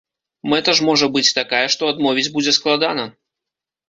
Мэта ж можа быць такая, што адмовіць будзе складана!